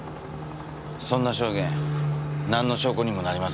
そんな証言なんの証拠にもなりませんよ。